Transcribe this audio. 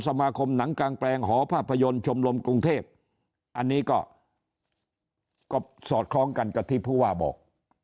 สมาคมหนังกลางแปลงหอภาพยนตร์ชมรมกรุงเทพอันนี้ก็สอดคล้องกันกับที่ผู้ว่าบอก